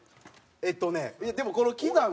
えっとねでもこの喜山は。